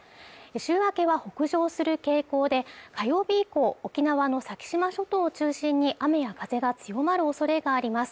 週明けは北上する傾向で火曜日以降沖縄の先島諸島を中心に雨や風が強まる恐れがあります